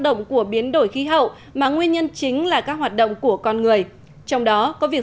động của biến đổi khí hậu mà nguyên nhân chính là các hoạt động của con người trong đó có việc